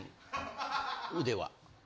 腕は。